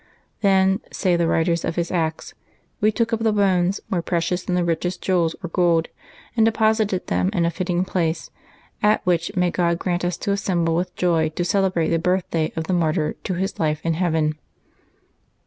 " Then," say the writers of his acts, '^ we took up the bones, more precious than the rich est jewels or gold, and deposited them in a fitting pla<;e, at which may God. grant us to assemble with joy to celebrate the birthday of the martyr to his life in heaven